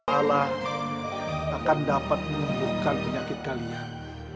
allah akan dapat menumbuhkan penyakit kalian